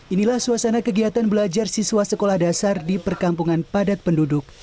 inilah suasana kegiatan belajar siswa sekolah dasar di perkampungan padat penduduk